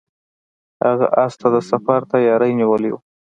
هغه اس ته د سفر تیاری نیولی و.